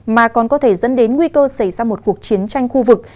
mà còn có thể dẫn đến nguy cơ xảy ra một cuộc chiến tranh khu vực